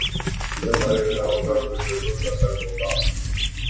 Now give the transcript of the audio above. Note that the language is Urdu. اس میں ہمارے گناہوں کا کچھ ضرور دخل ہو گا۔